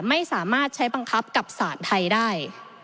ไม่สามารถใช้บังคับกับสารไทยได้